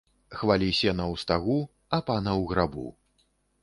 Хвалі сена ў стагу, а пана ў грабу